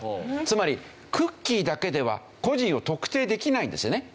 つまりクッキーだけでは個人を特定できないんですよね。